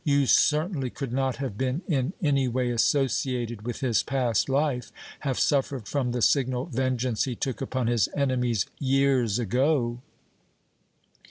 You certainly could not have been in any way associated with his past life, have suffered from the signal vengeance he took upon his enemies years ago!"